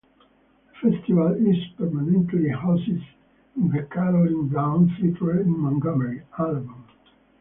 The festival is permanently housed in the Carolyn Blount Theatre in Montgomery, Alabama.